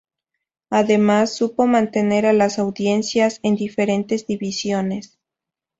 Además supo mantener a las audiencias en diferentes divisiones.